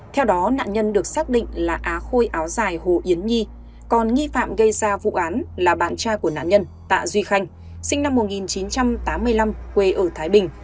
theo đó nạn nhân được xác định là á khôi áo dài hồ yến nhi còn nghi phạm gây ra vụ án là bạn trai của nạn nhân tạ duy khanh sinh năm một nghìn chín trăm tám mươi năm quê ở thái bình